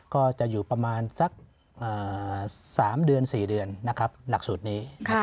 ก็จะอยู่ประมาณสัก๓เดือน๔เดือนนะครับหลักสูตรนี้